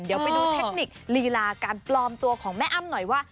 เดี๋ยวไปดูเทคนิคดีลาการปลอมตัวของแม่อ้ำหน่อยว่า